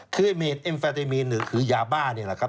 คือเมดเอ็มแฟเตมีนหนึ่งคือยาบ้านี่แหละครับ